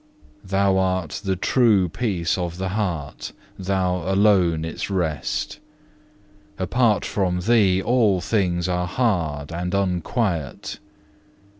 Thou art the true peace of the heart, Thou alone its rest; apart from Thee all things are hard and unquiet.